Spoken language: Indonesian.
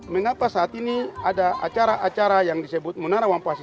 mengapa saat ini ada acara acara yang disebut menara wampasi